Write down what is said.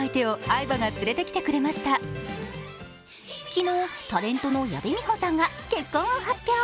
昨日、タレントの矢部美穂さんが結婚を発表。